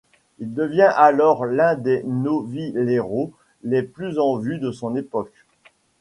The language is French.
Il devient alors l’un des novilleros les plus en vue de son époque.